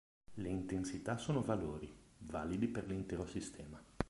Le intensità sono valori, validi per l'intero sistema.